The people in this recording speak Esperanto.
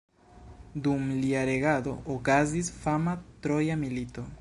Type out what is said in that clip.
Dum lia regado okazis fama Troja milito.